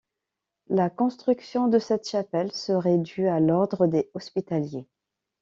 La construction de cette chapelle serait due à l'ordre des Hospitaliers.